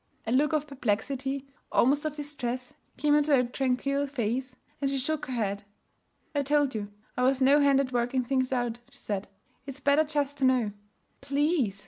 A look of perplexity, almost of distress, came into her tranquil face, and she shook her head. 'I told you I was no hand at working things out,' she said. 'It's better just to know.' 'Please!'